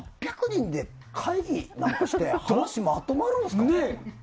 ８００人で会議なんかしてまとまるんですか？